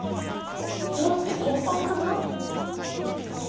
どうして桐沢さんが？